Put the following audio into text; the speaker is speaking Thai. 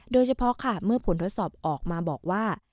โดยเฉพาะค่ะเมื่อผลทดสอบออกมาบอกว่า